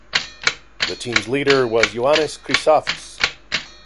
The team's leader was Ioannis Chrysafis.